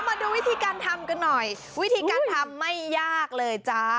มาดูวิธีการทำกันหน่อยวิธีการทำไม่ยากเลยจ้า